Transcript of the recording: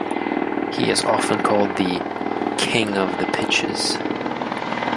He is often called the "King of the Pitches".